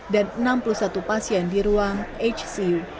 dan enam puluh satu pasien di ruang hcu